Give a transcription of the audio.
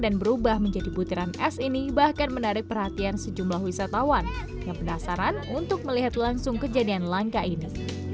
berubah menjadi butiran es ini bahkan menarik perhatian sejumlah wisatawan yang penasaran untuk melihat langsung kejadian langka ini